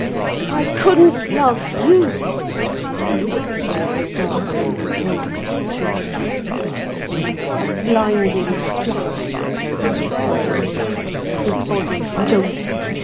"I couldn't love you," she said, with stark cold truth. A blinding flash went over his brain, his body jolted.